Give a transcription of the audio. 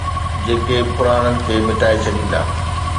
جيڪي پراڻن کي مٽائي ڇڏيندا.